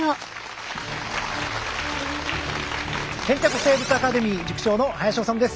「へんてこ生物アカデミー」塾長の林修です。